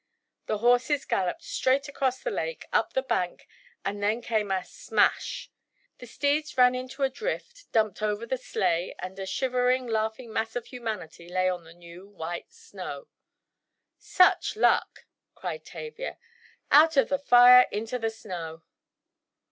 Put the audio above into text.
The horses galloped straight across the lake, up the bank, and then came a smash! The steeds ran into a drift, dumped over the sleigh; and a shivering, laughing mass of humanity lay on the new, white snow. "Such luck!" cried Tavia, "out of the fire into the snow!"